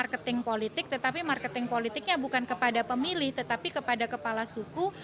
marketing politik tetapi marketing politiknya bukan kepada pemilih tetapi kepada kepala suku